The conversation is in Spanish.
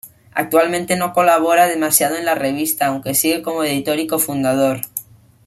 Actualmente no colabora demasiado en la revista, aunque sigue como editor y co-fundador.